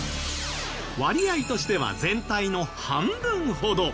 割合としては全体の半分ほど。